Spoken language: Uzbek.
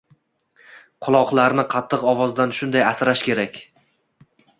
Quloqlarni qattiq ovozdan shunday asrash kerak